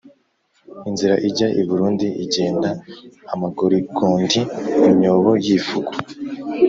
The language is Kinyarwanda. Inzira ijya i Burundi igenda amagorigondi.-Imyobo y'ifuku.